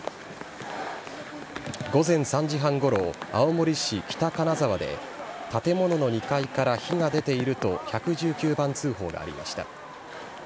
午前３時半ごろ、青森市北金沢で、建物の２階から火が出ていると１１９番通報がありました。